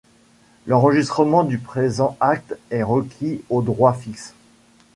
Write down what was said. L'enregistrement du présent acte est requis au droit fixe.